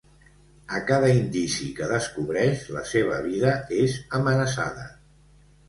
A cada indici que descobreix, la seva vida és amenaçada.